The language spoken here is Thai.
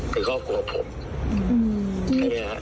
คือเขากลัวผมใช่ไหมครับ